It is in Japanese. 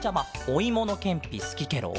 おいものけんぴすきケロ？